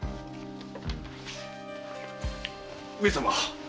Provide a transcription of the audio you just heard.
上様！